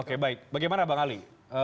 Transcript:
oke baik bagaimana bang ali